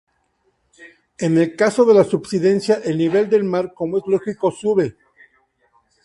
En el caso de la subsidencia, el nivel del mar, como es lógico, sube.